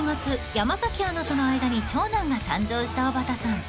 山アナとの間に長男が誕生したおばたさん］